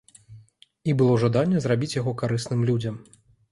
І было жаданне зрабіць яго карысным людзям.